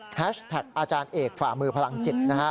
แฮชแท็กอาจารย์เอกฝามือพลังจิต